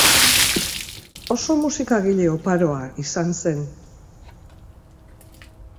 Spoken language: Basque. Oso musikagile oparoa izan zen.